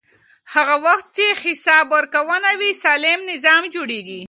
هغه وخت چې حساب ورکونه وي، سالم نظام جوړېږي.